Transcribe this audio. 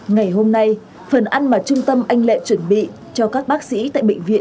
ngày hôm nay phần ăn mà trung tâm anh lệ chuẩn bị cho các bác sĩ tại bệnh viện